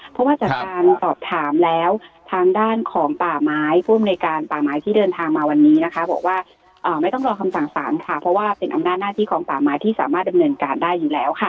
เพราะว่าจากการสอบถามแล้วทางด้านของป่าไม้ผู้อำนวยการป่าไม้ที่เดินทางมาวันนี้นะคะบอกว่าไม่ต้องรอคำสั่งสารค่ะเพราะว่าเป็นอำนาจหน้าที่ของป่าไม้ที่สามารถดำเนินการได้อยู่แล้วค่ะ